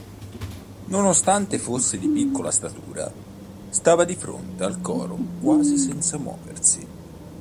Nonostante fosse di piccola statura, stava di fronte al coro quasi senza muoversi.